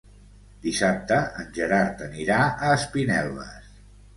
Dissabte en Gerard anirà a Espinelves.